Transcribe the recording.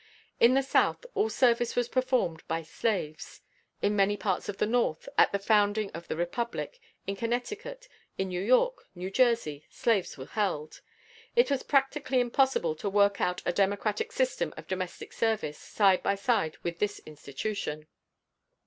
In the South all service was performed by slaves. In many parts of the North, at the founding of the republic, in Connecticut, in New York, New Jersey, slaves were held. It was practically impossible to work out a democratic system of domestic service side by side with this institution.